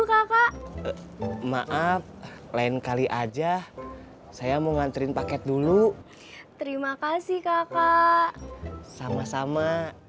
suka kak maaf lain kali aja saya mau ngantriin paket dulu terima kasih kakak sama sama